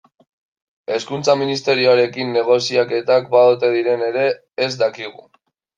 Hezkuntza Ministerioarekin negoziaketak ba ote diren ere ez dakigu.